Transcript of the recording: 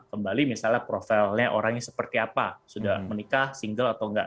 kembali misalnya profilnya orangnya seperti apa sudah menikah single atau enggak